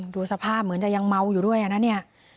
ดูสภาพเหมือนจะยังเมาอยู่ด้วยนะเนี่ย